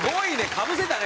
かぶせたね